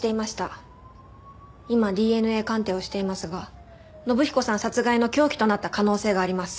今ＤＮＡ鑑定をしていますが信彦さん殺害の凶器となった可能性があります。